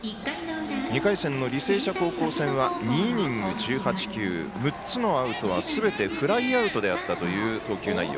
２回戦の履正社高校戦は２イニング１８球６つのアウトはすべてフライアウトであったという投球内容。